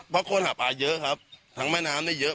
เพราะคนหาปลาเยอะครับทางแม่น้ำเยอะ